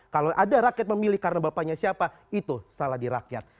kalau ada rakyat memilih karena bapaknya siapa itu salah di rakyat